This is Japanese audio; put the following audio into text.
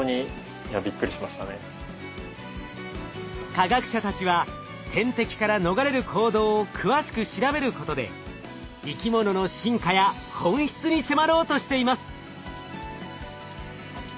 科学者たちは天敵から逃れる行動を詳しく調べることで生き物の進化や本質に迫ろうとしています。